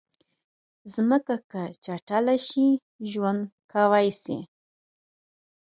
مځکه که چټله شي، ژوند ګواښي.